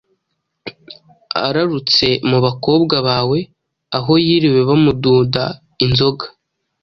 ararutse mu bakobwa bawe aho yiriwe bamududa inzoga,